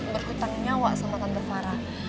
berhutang nyawa sama tante fara